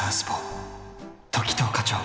時任課長！